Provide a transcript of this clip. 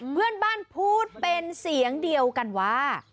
เพื่อนบ้านพูดเป็นเสียงเดียวกันว่า